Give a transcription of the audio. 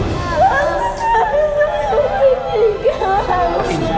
masa itu aku tinggal